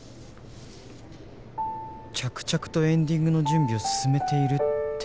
着々とエンディングの準備を進めているって事？